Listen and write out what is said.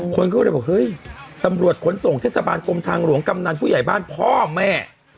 คนก็เลยบอกเฮ้ยตำรวจขนส่งเทศบาลกรมทางหลวงกำนันผู้ใหญ่บ้านพ่อแม่